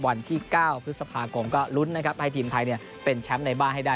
วันที่๙พฤษภาคมก็ลุ้นนะครับให้ทีมไทยเป็นแชมป์ในบ้านให้ได้